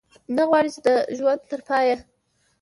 نه غواړو چې د ژوند تر پایه.